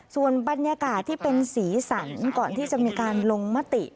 ส่วนบรรยากาศที่เป็นสีสันก่อนที่จะมีการลงมติ